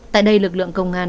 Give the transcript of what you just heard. tại đây lực lượng công an